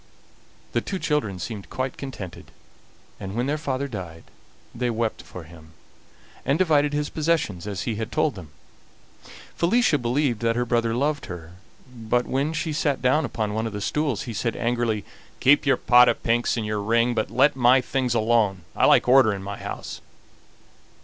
The two children seemed quite contented, and when their father died they wept for him, and divided his possessions as he had told them. Felicia believed that her brother loved her, but when she sat down upon one of the stools he said angrily: "Keep your pot of pinks and your ring, but let my things alone. I like order in my house."